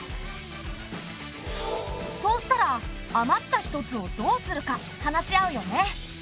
そうしたら余った１つをどうするか話し合うよね。